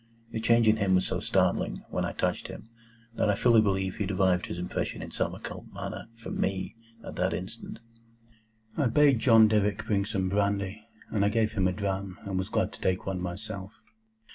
The change in him was so startling, when I touched him, that I fully believe he derived his impression in some occult manner from me at that instant. I bade John Derrick bring some brandy, and I gave him a dram, and was glad to take one myself.